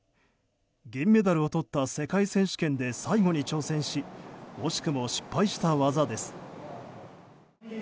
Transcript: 銀メダルをとった世界選手権で最後に挑戦し惜しくも失敗した技です。